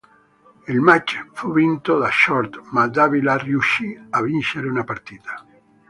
Il match fu vinto da Short, ma Dávila riuscì a vincere una partita.